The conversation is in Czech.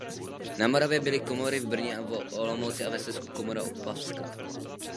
Na Moravě byly komory v Brně a v Olomouci a ve Slezsku komora opavská.